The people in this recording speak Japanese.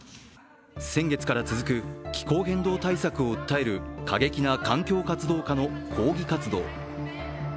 先月から続く気候変動対策を訴える過激な環境活動家の抗議活動。